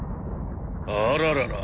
あららら。